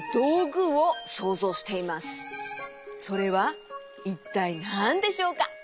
それはいったいなんでしょうか？